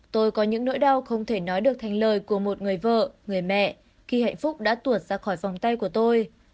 tôi có những nỗi đau không thể nói được thành lời của một người vợ người mẹ khi hạnh phúc đã tuột ra khỏi vòng tay của tôi